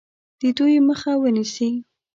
د دوی مخه ونیسي.